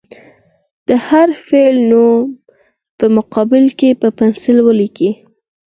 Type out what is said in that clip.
د هر فعل نوم په مقابل کې په پنسل ولیکئ.